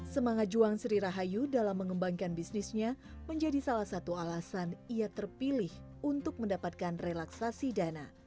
semangat juang sri rahayu dalam mengembangkan bisnisnya menjadi salah satu alasan ia terpilih untuk mendapatkan relaksasi dana